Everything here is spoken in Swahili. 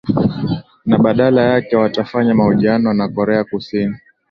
na badala yake watafanya mahojiano na korea kusini